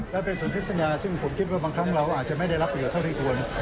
และเป็นสนทนาซึ่งผมคิดว่าบางครั้งเราอาจจะไม่ได้รับเหยื่อเท่าที่ควร